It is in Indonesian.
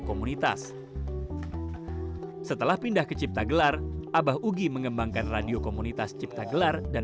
komunitas setelah pindah ke ciptagelar abah ugi mengembangkan radio komunitas ciptagelar dan